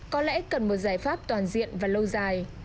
có lẽ cần một giải pháp toàn diện và lâu dài